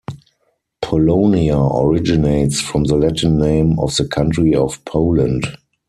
Polonia originates from the Latin name of the country of Poland.